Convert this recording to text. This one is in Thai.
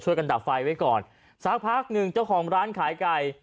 ดับไฟไว้ก่อนสักพักหนึ่งเจ้าของร้านขายไก่